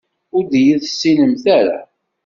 Ur d-iyi-tessinemt ara.